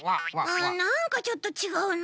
うんなんかちょっとちがうな。